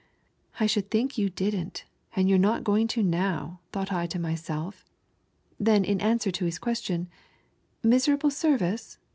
"I should think you didn't, and you're not going to now," thought I to myself. Then in answer to his question, "Miserable service?"